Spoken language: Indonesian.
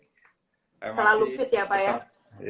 selalu fit ya pak ya